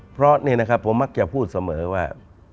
เพราะนี่นะครับผมมักจะพูดเสมอว่า